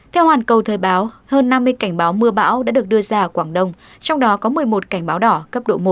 theo hoàn cầu thời báo hơn năm mươi cảnh báo mưa bão đã được đưa ra ở quảng đông trong đó có một mươi một cảnh báo đỏ cấp độ một